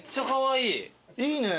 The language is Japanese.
いいね。